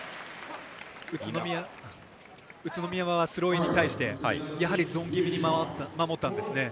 宇都宮はスローインに対してやはりゾーン切りに守ったんですね。